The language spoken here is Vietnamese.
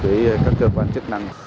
với các cơ quan chức năng